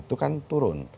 itu kan turun